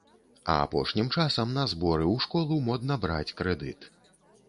А апошнім часам на зборы ў школу модна браць крэдыт.